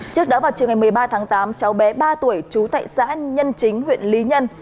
trước đó vào chiều ngày một mươi ba tháng tám cháu bé ba tuổi trú tại xã nhân chính huyện lý nhân